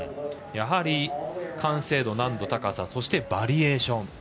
やはり完成度、難度、高さそして、バリエーション。